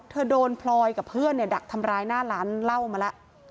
โดนพลอยกับเพื่อนดักทำร้ายหน้าร้านเหล้ามาแล้ว